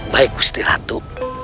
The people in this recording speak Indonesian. baik gusti ratu